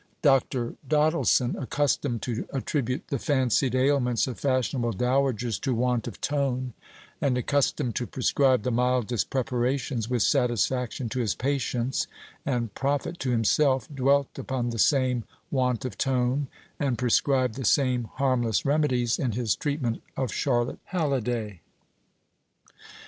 Dr. Doddleson, accustomed to attribute the fancied ailments of fashionable dowagers to want of tone, and accustomed to prescribe the mildest preparations with satisfaction to his patients and profit to himself dwelt upon the same want of tone, and prescribed the same harmless remedies, in his treatment of Charlotte Halliday.